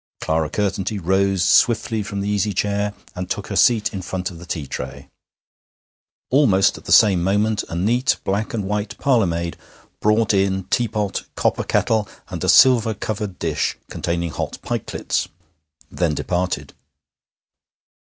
Clara Curtenty rose swiftly from the easy chair, and took her seat in front of the tea tray. Almost at the same moment a neat black and white parlourmaid brought in teapot, copper kettle, and a silver covered dish containing hot pikelets; then departed.